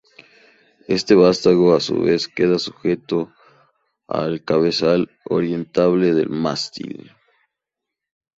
Este vástago a su vez queda sujeto al cabezal orientable del mástil.